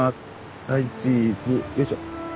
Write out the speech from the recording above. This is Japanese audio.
はいチーズ。よいしょ。